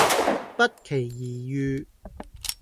不期而遇